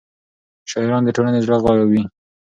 شاعران د ټولنې د زړه غږ وي.